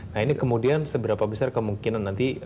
nah ini kemudian seberapa besar kemungkinan nanti